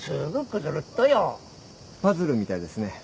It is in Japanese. パズルみたいですね。